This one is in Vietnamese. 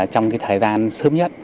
trong thời gian sớm nhất